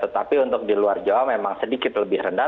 tetapi untuk di luar jawa memang sedikit lebih rendah